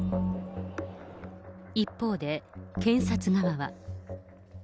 一方で、検察側は。